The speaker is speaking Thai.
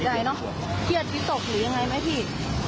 เครียดที่ตกหรือยังไงมั้ยพี่